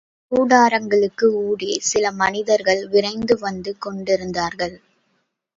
கூடாரங்களுக்கு ஊடே சில மனிதர்கள் விரைந்து வந்து கொண்டிருந்தார்கள்.